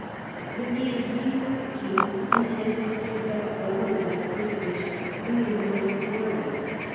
But neither he nor the King intended to give that formidable personage any real authority.